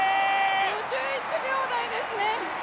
５１秒台ですね！